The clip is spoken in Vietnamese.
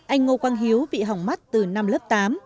anh ngô quang hiếu bị hỏng mắt từ năm lớp tám